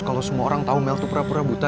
kalau semua orang tau mel tuh pura pura buta